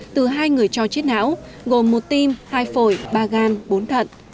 từ hai người cho chết não gồm một tim hai phổi ba gan bốn thận